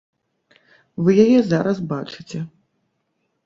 Вы яе зараз бачыце.